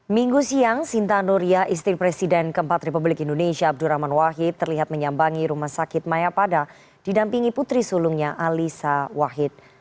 minggu siang sinta nuria istri presiden keempat republik indonesia abdurrahman wahid terlihat menyambangi rumah sakit mayapada didampingi putri sulungnya alisa wahid